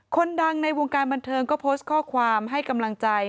คนดังในวงการบันเทิงก็โพสต์ข้อความให้กำลังใจ